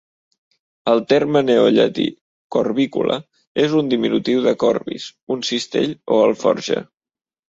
El terme neollatí "corbicula" és un diminutiu de "corbis", un cistell o alforja.